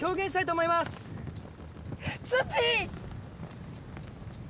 土！